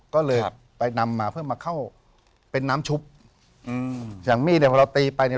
ก็เลยไปนำมาเพื่อมาเข้าเป็นน้ำชุบอืมอย่างมีดเนี่ยพอเราตีไปเนี่ย